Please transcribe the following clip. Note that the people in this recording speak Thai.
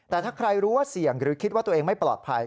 แต่ถ้าใครรู้ว่าเสี่ยงหรือคิดว่าตัวเองไม่ปลอดภัย